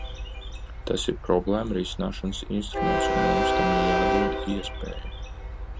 Tas ir problēmu risināšanas instruments, un mums tam ir jādod iespēja.